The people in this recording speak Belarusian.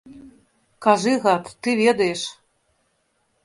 Кажы, гад, ты ведаеш!